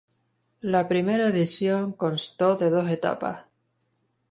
La primera edición constó de dos etapas.